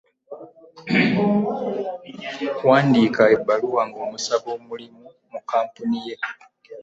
Wandiika ebbaluwa ng'omusaba omulimu mu kkamponi ye.